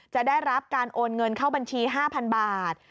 จะได้รับการโอนเงินเข้าบัญชี๕๐๐บาท